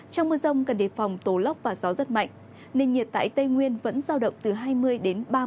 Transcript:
trong mưa rông cần đề phòng tổ lóc và gió rất mạnh nền nhiệt tại tây nguyên vẫn giao động